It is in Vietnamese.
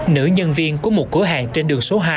nữ nhân viên của một cửa hàng trên đường số hai